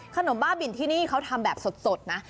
บ้าบินที่นี่เขาทำแบบสดนะ